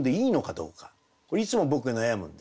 これいつも僕悩むんです。